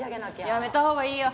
やめたほうがいいよ。